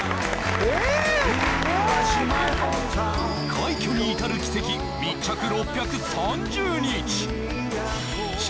快挙に至る軌跡密着６３０日